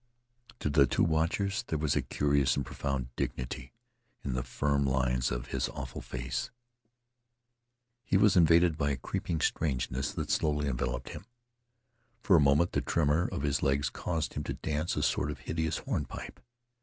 To the two watchers there was a curious and profound dignity in the firm lines of his awful face. He was invaded by a creeping strangeness that slowly enveloped him. For a moment the tremor of his legs caused him to dance a sort of hideous hornpipe.